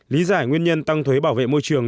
lý giải nguyên nhân tăng thuế bảo vệ môi trường